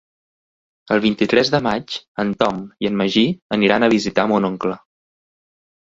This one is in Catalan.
El vint-i-tres de maig en Tom i en Magí aniran a visitar mon oncle.